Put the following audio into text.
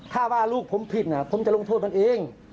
ถ้าว่าลูกผมผิดผมจะลงโทษมันเอง